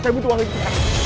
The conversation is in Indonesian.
saya butuh uang ini